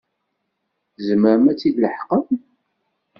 Tzemrem ad t-id-leḥqem?